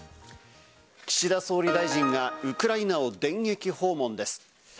岸田総理大臣がウクライナを電撃訪問です。